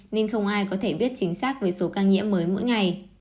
nên không ai có thể biết chính xác với số ca nhiễm mới mỗi ngày